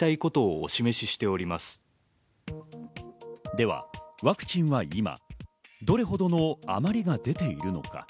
ではワクチンは今、どれほどの余りが出ているのか？